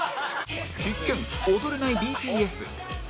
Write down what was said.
必見踊れない ＢＴＳ